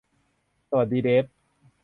สวัสดีเดฟ